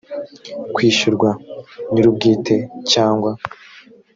kwishyurwa nyir ubwite cyangwa